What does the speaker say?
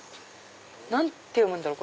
何て読むんだろう？